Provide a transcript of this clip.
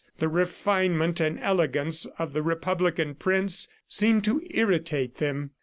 The refinement and elegance of the Republican Prince seemed to irritate them.